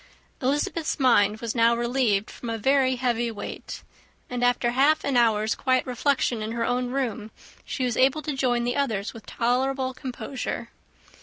Elizabeth's mind was now relieved from a very heavy weight; and, after half an hour's quiet reflection in her own room, she was able to join the others with tolerable composure.